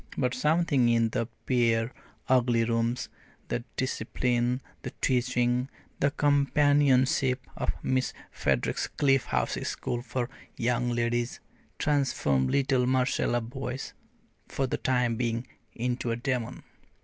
But something in the bare, ugly rooms, the discipline, the teaching, the companionship of Miss Frederick's Cliff House School for Young Ladies, transformed little Marcella Boyce, for the time being, into a demon.